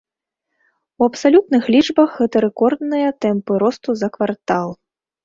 У абсалютных лічбах гэта рэкордныя тэмпы росту за квартал.